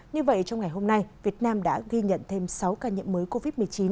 như vậy trong ngày hôm nay việt nam đã ghi nhận thêm sáu ca nhiễm mới covid một mươi chín